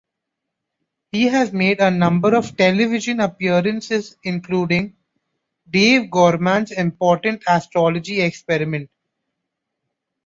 He has made a number of television appearances including "Dave Gorman's Important Astrology Experiment".